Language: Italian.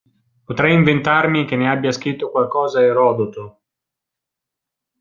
Potrei inventarmi che ne abbia scritto qualcosa Erodoto.